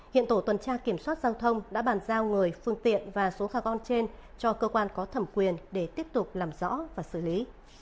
hiện tổ tuần tra kiểm soát giao thông đã bàn giao người phương tiện và số carn trên cho cơ quan có thẩm quyền để tiếp tục làm rõ và xử lý